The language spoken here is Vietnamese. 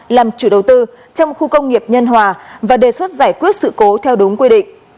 làm chủ đầu tư trong khu công nghiệp nhân hòa và đề xuất giải quyết sự cố theo đúng quy định